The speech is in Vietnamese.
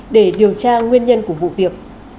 để điều tra nguyên nhân của vụ việc